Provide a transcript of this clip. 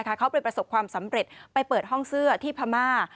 เขาไปประสบความสำเร็จไปเปิดห้องเสื้อที่พม่า